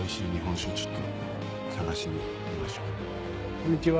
こんにちは。